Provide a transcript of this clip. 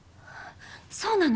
そうなの？